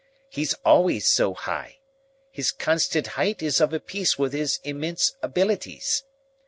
He's always so high. His constant height is of a piece with his immense abilities.